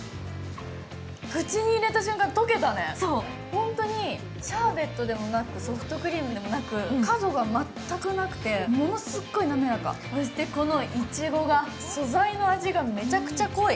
本当にシャーベットでもなくソフトクリームでもなく角が全くなくて、ものすごい滑らかそして、このいちごが、素材の味がめちゃくちゃ濃い。